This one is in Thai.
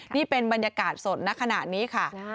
นี่เป็นบรรยากาศสดณขณะนี้ค่ะ